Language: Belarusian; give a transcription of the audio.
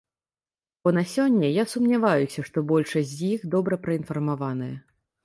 Бо на сёння я сумняваюся, што большасць з іх добра праінфармаваная.